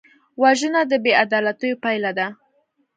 وژنه د بېعدالتیو پایله ده